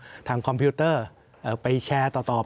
สามอย่างที่ผมพูดไปจะพูดไม่จบหนึ่งก็คือ